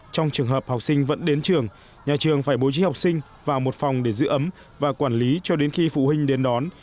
trong trường hợp học sinh vẫn đến trường nhà trường phải bố trí học sinh vào một phòng để giữ ấm và quản lý cho đến khi phụ huynh đến đón